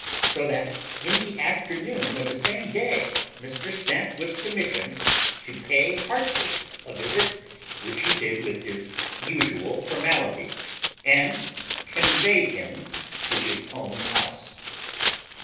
So that in the afternoon of the same day Mr. Snap was commissioned to pay Heartfree a visit, which he did with his usual formality, and conveyed him to his own house.